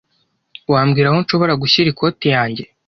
Wambwira aho nshobora gushyira ikoti yanjye?